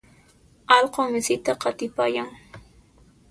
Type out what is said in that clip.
allqu misita qatipayan.